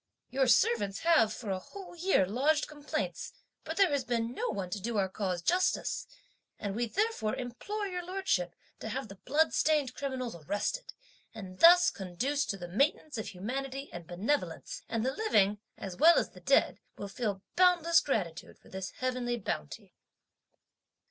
Your servants have for a whole year lodged complaints, but there has been no one to do our cause justice, and we therefore implore your Lordship to have the bloodstained criminals arrested, and thus conduce to the maintenance of humanity and benevolence; and the living, as well as the dead, will feel boundless gratitude for this heavenly bounty."